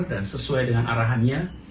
dan sesuai dengan arahannya